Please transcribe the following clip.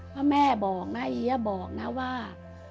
เพราะแม่บอกนะเอี๊ยะบอกนะว่า